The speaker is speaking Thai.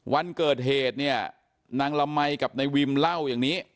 วันเกิดเหตุเนี่ยนางละมัยกับนายวิมเล่าอย่างนี้